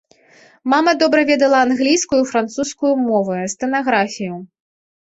Мама добра ведала англійскую і французскую мовы, стэнаграфію.